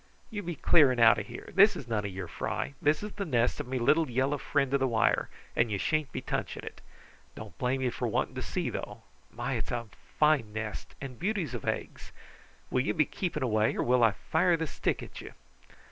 "You be clearing out of here! This is none of your fry. This is the nest of me little, yellow friend of the wire, and you shan't be touching it. Don't blame you for wanting to see, though. My, but it's a fine nest and beauties of eggs. Will you be keeping away, or will I fire this stick at you?"